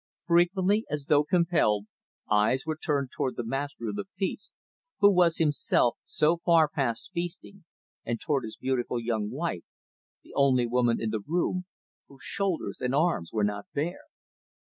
Frequently as though compelled eyes were turned toward that master of the feast, who was, himself, so far past feasting; and toward his beautiful young wife the only woman in the room, whose shoulders and arms were not bare.